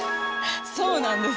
そうなんです。